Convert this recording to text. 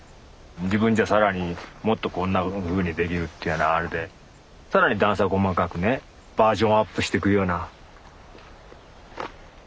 自分じゃ更にもっとこんなふうにできるっていうようなあれで更に段差細かくねバージョンアップしてくような。